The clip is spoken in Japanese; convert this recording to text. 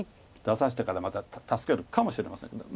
出さしてからまた助けるかもしれません。